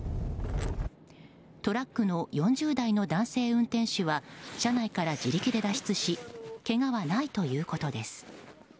トラックの４０代の男性運転手は車内から自力で脱出しけがはないということです。